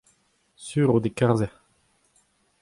sur out e karzec'h.